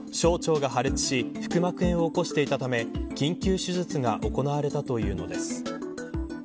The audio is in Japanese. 小腸が破裂し腹膜炎を起こしていたので緊急手術が行われたというのです。